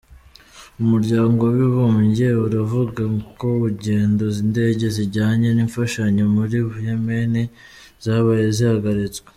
Umuryango w’abibumbye uravuga ko ingendo z’indege zijyanye imfashanyo muri Yemeni zabaye zihagaritswe.